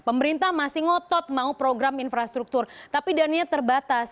pemerintah masih ngotot mau program infrastruktur tapi dananya terbatas